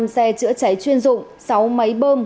năm xe chữa cháy chuyên dụng sáu máy bơm